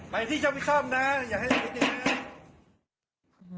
ไปที่เฉพาะวิชาตินะอย่าให้ละคริสต์ด้วยนะ